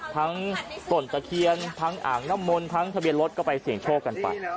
ต้นตะเคียนทั้งอ่างน้ำมนต์ทั้งทะเบียนรถก็ไปเสี่ยงโชคกันไป